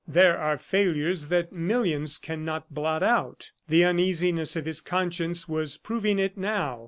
There are failures that millions cannot blot out. The uneasiness of his conscience was proving it now.